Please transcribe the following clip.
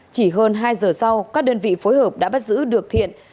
chỉ hơn hai giờ sau các đơn vị phối hợp đã bắt giữ được thiện